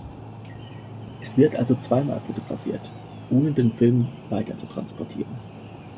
Es wird also zweimal fotografiert, ohne den Film weiter zu transportieren.